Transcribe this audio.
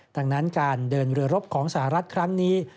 ดังนั้นการเดินเรือรบของสหรัฐครั้งนี้